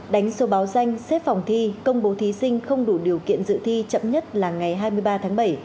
đánh số báo danh xếp phòng thi công bố thí sinh không đủ điều kiện dự thi chậm nhất là ngày hai mươi ba tháng bảy